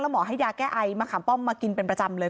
หมอให้ยาแก้ไอมะขามป้อมมากินเป็นประจำเลย